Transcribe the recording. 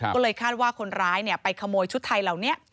ก็เลยคาดว่าคนร้ายไปขโมยชุดไทยเหล่านี้